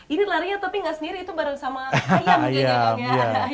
ini larinya tapi nggak sendiri itu bareng sama ayam juga ya kang ya